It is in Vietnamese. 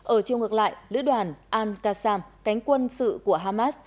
ở chiều ngược lại lữ đoàn al qasam cánh quân sự của hamas